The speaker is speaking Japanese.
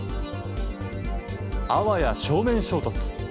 あわや正面衝突。